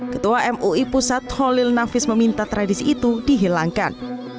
ketua mui pusat holil nafis meminta tradisi itu dihilangkan